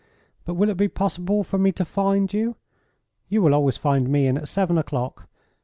"But will it be possible for me to find you? You will always find me in at seven o'clock.